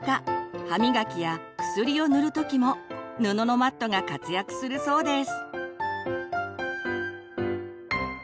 歯磨きや薬を塗る時も布のマットが活躍するそうです。